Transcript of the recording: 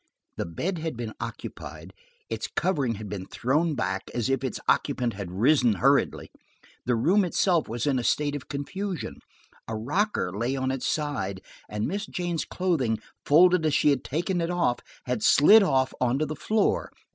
The bed had been occupied; its coverings had been thrown back, as if its occupant had risen hurriedly. The room itself was in a state of confusion; a rocker lay on its side, and Miss Jane's clothing, folded as she had taken it off, had slid off on to the floor.